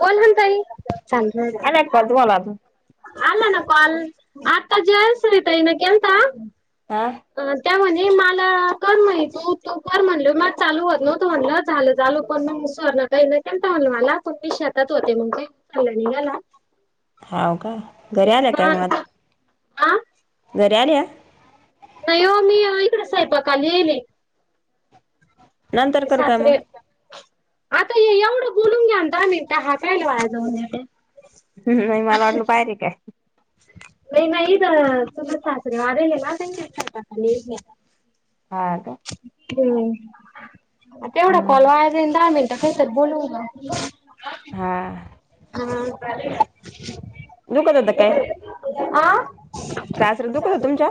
कोण [unintelligible] ताई आला का कॉल तुम्हाला आता? [unintelligible] आला ना कॉल आता जयश्री ताईन केलता त्या अ त्या म्हणे माला कर म्हने तू तू कर म्हणल माज चालू होत नव्हत म्हणल झालं चालू पण मग सुवर्णाताईला केलता म्हणल मला पण मी शेतात होते मंग काही चालं [unintelligible] निघाला. हाव का घरी आल्या काय हा मग आता? हा घरी आल्या? नाही ओ मी इकड स्वयंपाकाली यीले. नंतर आमचे करू काय मग? सासरे आता हे एवढं बोलून घ्या ना दहा मिनिटं हा कायला वाया जाऊन देते. हू हू, नाही मला वाटलं बाहेर हे काय? नाही नाही इथं चुलत सासरे वारलेले ना त्यांच्या इथं स्वयंपाकाला येईल मी आता. हा काय? आता तेवढा कॉल वायनदहा मिनटं काही तरी बोलू घ्या. हा [unintelligible] दुखत होत काय आ सासर दुखत हूत तुमच्या?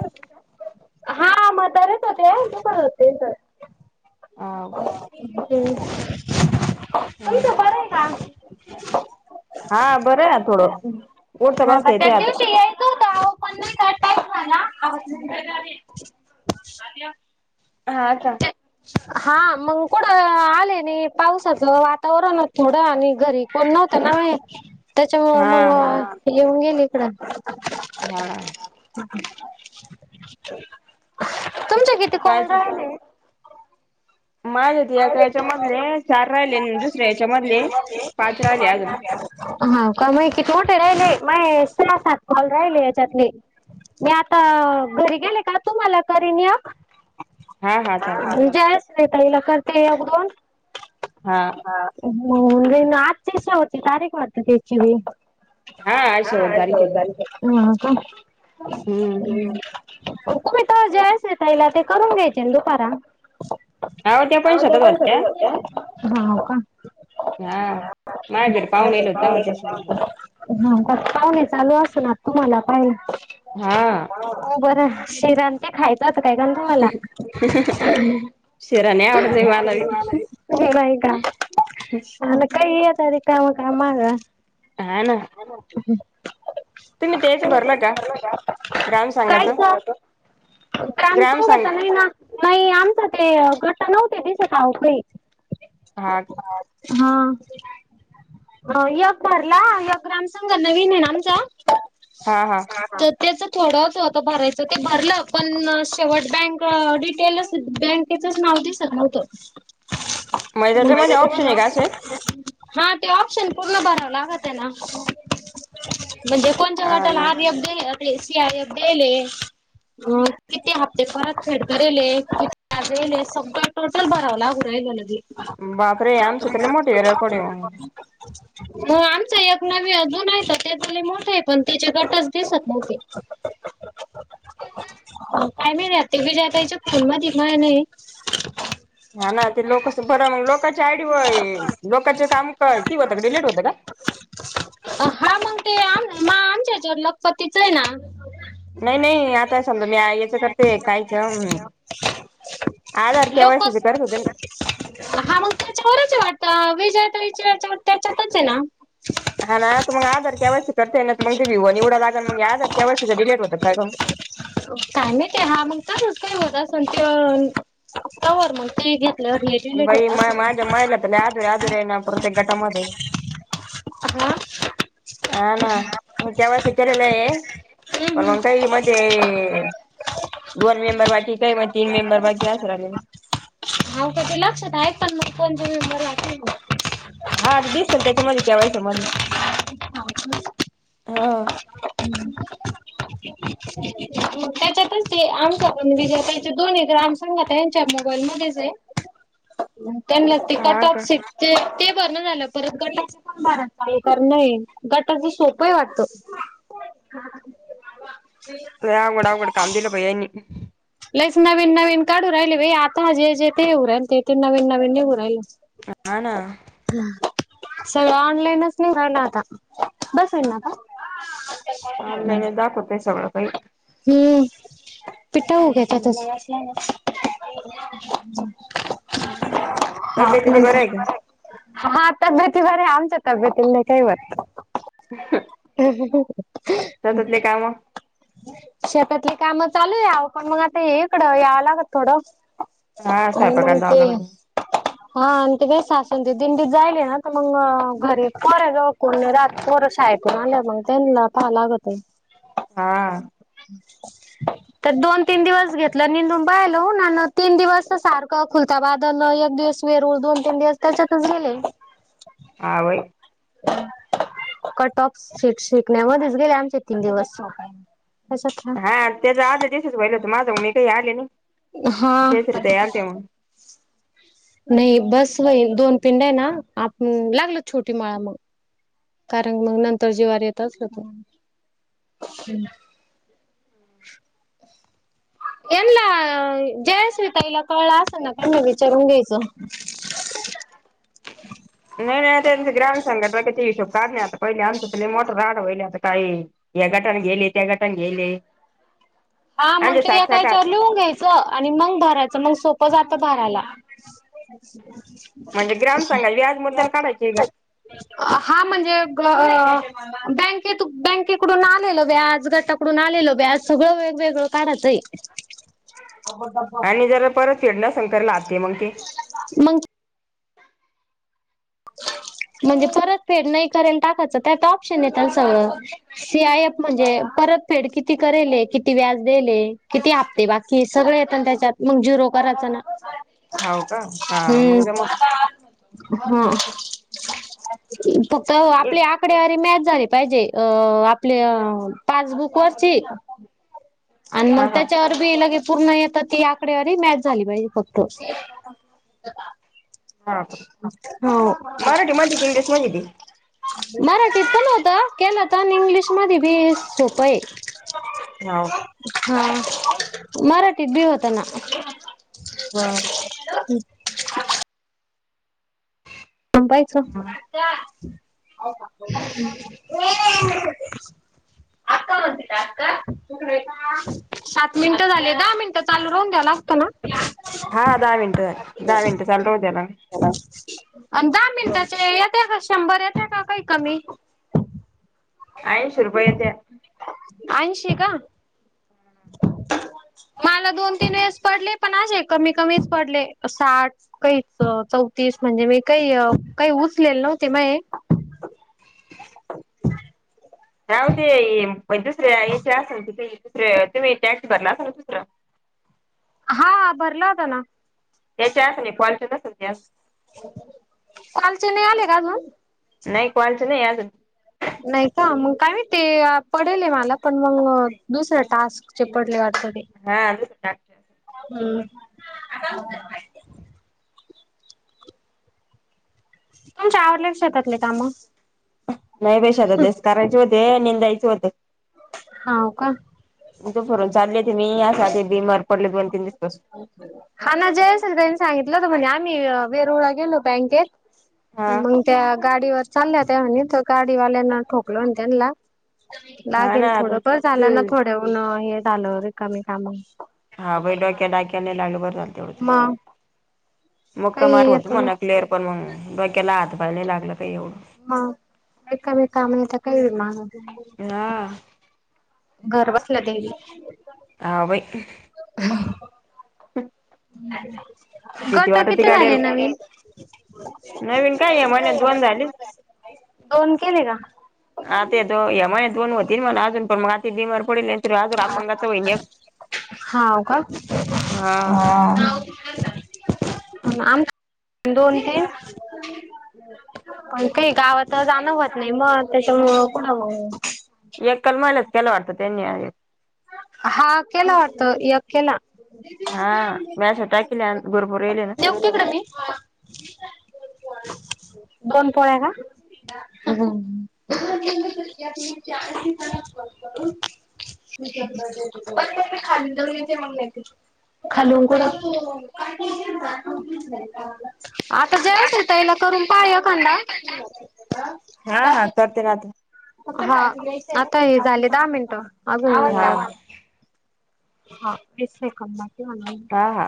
हा म्हातारेच होते दुखत होत तेच हाव का? हम्म तेच [unintelligible] हा हा बरं आहे आता थोडं. [unintelligible] उठता बसता त्या येतंय आता. दिवशी यायचं होत अहो पण नाही का टाईम झाला हा का? हा मंग कुट आले नाही पावसाच वातावरण हो थोडं आणि घरी कोण नव्हतं ना [unintelligible] त्याच्यामूळ हा हा मग येऊन गेले इकडं हा तुमच्या किती कॉ काय माझ्या ते हा एक यायाच्या मधले चार राहिले दुसऱ्या यायाच्या मधले पाच राहिले अजून हा का माहे किती मोठे राहिले माहे सहा सात कॉल राहिले याच्यातले मी आता घरी गेले का तुम्हाला करीन एक हा हा चालेल. जयश्री ताई ला करते एक, दोन हा होेन जाईन आजची शेवटची तारीख वाटतं त्याची बी हा आज शेवटची तारीख येना हा का हम्म हम्मं तुम्ही तव जयश्री ताईंला ते करून घ्यायचे दुपारा त्या अहो त्याया शेतात पण सरच होत्या. होत्या हाव का हा माझ्या घरी [unintelligible] हा पाहुणे आले होते तवा त्याची का पाहुणे चालू असल आता तुम्हाला पाहिला हा हो बरं शिरा अन ते खायच अस काय गंगू मला शिरा नाही [unintelligible] आवडत बाई मला बी नाही का आन काय यता रिकामं काम माझं हा ना हॅलो [unintelligible] तुम्ही तेहेच भरलं का? ग्रामसंघाचं ग्रामसंघाच नाही ना नाही आमच ते गट नव्हते दिसत अहो कई हा हा यक भरला यक ग्रामसघांन नवीन ये आमचा हा हा [unintelligible] त्याच थोडं अस होत भरायचं ते भरलं पण शेवट बँक डिटेलच बँक त्याचच नाव दिसत नव्हतं म्हणजे त्याच्यामध्ये ऑप्शन आहे का असे हा ते ऑप्शन पूर्ण भराव लागत्यना म्हणजे कोणच्या गटाला आणि आर एफ जे आहे ना ते सी आर एफ देयेल हे अ किती हप्ते परतफेड करेल हे की [inaudible] हा देयेल हे सगळे टोटल भराव लागू राह्यलं ना ते बापरे आमच तर लई मोठं ए रिकार्ड हे मंग [inaudible] हो आमच एक नवी अजून आहे त ते त लई मोठ आहे पण त्याचे गटच दिसत नव्हते काय मही राते विजया ताईचे फोन मध्ये माहेने हा ना ते लोकस बरं मग लोकची आयडी वये लोकचे काम काय की होतं का डिलीट होतं का हा मंग ते आम म आमच्या याच्यावर लखपतीच आहे ना नही, नही आता समजा मीया करते [unintelligible] आधार के वायसीच करत लोकच होते न हा मग त्याच्यावरच आहे वाटत विजया ताई याच्यावर त्याच्यातच आहे ना हा ना त म आधार केयसी करतेय ना मग ते व निवडायला लागल मग आधार केवायसी डिलेट होतं काय जनु काय माहिती हा म्हणता नच काही होत असल तर तवर मग ते घेतल्यावर हे डिलेट बाई होत माय असेल माझ्या महिला तर लई अधूर्‍या, अधूर्‍या आहे ना प्रतेक गटामध्ये हा हा ना तुमच्या वर्षी केलेलय हम्म पण हम्म मंग काही मध्ये. दोन मेंबर बाकी काय मग तीन मेंबर बाकी असं राहिले. हाऊ का ते लक्षात आहे पण मग कोणचे मेंबर लागताहेत ते. हा दिसल त्याच्यामध्ये के वाय सी मध्ये. [inaudible] मग त्याच्यातच ते आमचा पण विजयाताई चे दोन हे त ग्राम संघात हाय. च्या मोबाल मध्येच हे त्यांना ते हा का कटऑफ सीट. ते ते भरण झालं परत गटाच पण भरा ते करण हे गटाची सोप हे वाटत. हा ते [inaudible] लई आवघड आवघड काम दिलं बाई यांनी. लईच नवीन नवीन काढू राहिली बाई आता हा जे जे ते हे होवू राह्यलं ते ते नवीन नवीन निघू राह्यल. हा ना, अ सगळं ऑनलाईनच निघाल आता बसेल ना ग. ऑनलाइनच दाखवतय सगळं काही. हम्म. पिटा हो ज्याच्यातच. हम् तब्येती तेे बरं हाय का? हा तब्येती बर्‍या आहे आमच्या तब्येतीला नाही काही व्हत. ह [inaudible] ह [inaudible] शेतातली काम. शेतातली काम चालू यावं पण मग आता इकडं यावं लागत थोडं. हो म्हणते. ह [inaudible] हा आणि ते काय सासूनते दिंडीत जायले ना तर मग अ घरी पर जाऊ कोण रात पोर शायेत आल्या मग त्यांना पाहा लागत. हा, तर दोन तीन दिवस घेतलं निंदून बाहेलून आन तीन दिवस त सारखं. खुलता बादल एक दिवस मेरूळ दोन तीन दिवस त्याच्यातच गेले. आ वई. क टॉप शीट शिकण्या मध्येच गेले आमचे तीन दिवस. याच्यात घ्या. हा त्याच्या आलं जसेस वहिला होत माझं मी काही आले ना हा जसर याल तेव्हा. नाही बस वई दोन पिंड आहे ना आप लागलो छोटी माळा मग. कारण मग नंतर जीवार येतच हो. हम्. एला जयश्री तईला कळसना कमी विचार घ्यायचं. नाही नाही त्यां ग्राम संघटला क हिशोब काढण्य पहिले आमच त मोठर राड वईल आता काही. या गटने गेले त्या गटने गेले. हा मग आमचे तू या साठ काय साठ चवर लिहून घ्याच''--'' च आणि मग भरायचं मग सोपं जात भरायला. म्हणजे ग्राम सांगा व्याजबद्दल काढायची आहे का. हा म्हणजे ग. बँकेत बँकेकडून आलेल व्याज गटाकडून आलेल व्याज सगळं व''--'' ग वेगळ काढते. आणि जर परत फेड नसेल तर लाभते मग ते. मग- म्हणजे परत फेड नाही करून टाकायचं. त्यात ऑप्शन येेत ना सगळं. सी आय फ म्हणजे परत फेड किती करेल ए? किती व्याज देयेल ए? किती हफ्ते बाकी? सगळ येत ना त्याच्यात. मग जिरो कराचं ना? हाव का? हा. मग जमलं. हो. [inaudible] आकडेवारी मॅच झाली पाहिजे. अ आपल्या पासबुक वरची. आणि हा मग हा त्याच्यावरबी लगे पूर्ण येत. ती आकडेवारी मॅच झाली पाहिजे फक्त. ह हां. मराठी मधे का इंग्लिश मधे ए ते? मराठीत पण होत. केल तर इंग्लिश मध्ये बी सोपए. हाव का? हा. मराठी बी होत ना. बर. हॅलो. [unintelligible] सात मिनिटं झाले. दहा मिनिटं चालू राहून द्याव लागतं ना? हा. दहा मिनिट. दहा मिनट चालू राहू दया ना. आणि दहा मिनिटाचे येत का? शंभर येत्या का काही कमी? ऐंशी रुपये येत्या. ऐनशी का? हं. मला दोन तीन वेळेस पडले. पण असे कमी कमीच पडले. साठ- काहीच चौतीस. म्हणजे मी काही काही उचलेल नव्हते [unintelligible] का हो ते दुसऱ्या याचे असेल त ते दुसर तुम्ही टॅक्स भरला असल ना दुसरा? हा. भरला होता ना. त्याच्या [unintelligible] का सध्या? कालचे नाही आले का अजून? नाही कालचे नाही आले. नाही का? मग काय माहिती ते पडेल आहे मला पण मग दुसरे टास्क. [unintelligible] हा. अ हम्म. तुमचे आवरले ना शेतातले काम? जाऊ दे शेतातलेच करायचे होते. निंदायच होत. हाव का? दुपारून चालले होते मी. यासाठी बीमार पडले दोन तीन दिस पासून. हा ना. जयेश आणि त्यांनी सांगितलं होत. म्हणे आम्ही वेरूळला गेलो होतो बँकेत. हा मंग त्या गाडीवर चालल्या होत्या म्हणे. त्या गाडीवाल्यान ठोकल म्हणे त्यांना. हा लागेल ना आता थोडं. बर झालं ना थोडहून हे झालं. रिकामी काम. हा बाई डोक्या डाक्याला नाही लागलं. बर झाल. मग मुक्का काही मार होतो येत म्हणा क्लिअर. पण मग डोक्याला हात पाय लय लागलं का एवढं? हा एक मेकान हित काय बी हा. घर बसल्या द्यायली. हा बाई. [inaudible] [unintelligible] [unintelligible] भीती गट वाटती किती झाले गाडीवर नवीन? नवीन काय या महिन्यात दोन झाली. दोन केले का? आत त्यो या महिन्यात दोन व्हती ना मला आजुन पण मग आता बीमार पडीले. हा का? हा. आम - पण दोन तीन पण काही गावात जाणं होत नाही मग त्याच्यामुळं कुढ बगु? एकाल महिलास केला वाटत त्यांनी आहेर. हा केला वाटत एकेला. हा म्या अश्या टाकल्यान बरोबर याल्या ना? तिकड बी दोन पोळ्या का? तुम्ही चार दिवसांना कॉल करून तुमच्याकडं देते [inaudible] खालून कुढ? आता जय असील तायला करून पाहा एकांदा. ते नातं हा आता हे झाले दहा मिनट हा अजून हा तेच मी करणार की म्हणलं. हा.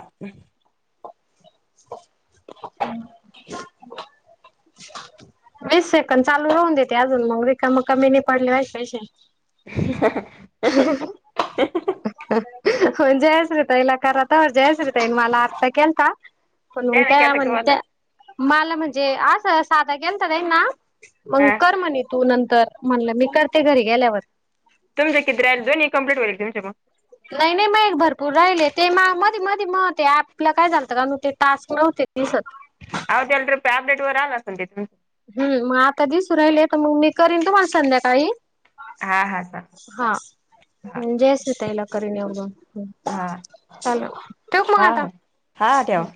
[inaudible] [inaudible] वीस सेकंद, चालू राहून देते अजून मग रिकाम कमी नाय पडले पाहिजे पैशे. [unintelligible] [unintelligible] जयश्री ताईला कराता जयश्री ताईन मला आत्ता केलता. पण नाही त्या केलता तुम्हाला म्हणत्या मला म्हणजे अस साधा गेलता त्यांना मग हा. कर म्हणे. तू नंतर म्हणलं मी करते घरी गेल्यावर. तुमं किती राहील दोन्ही कम्पलेट होईले का तुमचे म? नाय नाय मये एक भरपूर राहिले ते माय मधी मधी म ते अँपला काय झालतं का ते म टास्क नव्हते दिसत. आव त्याला अपडेट वर आला आसन. हम् म आता दिसू राहिलय तर मग मी करीन तुम्हाला संध्याकाळी. हा हा चालेल हा हा हम् जयश्री ताईला करीन म. हा चला ठेवू का म हा हा हा ठेवा. आता?